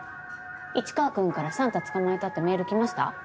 市川君からサンタ捕まえたってメール来ました？